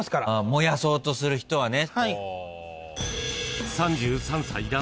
燃やそうとする人はね。